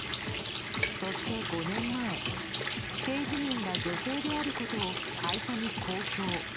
そして５年前性自認が女性であることを会社に公表。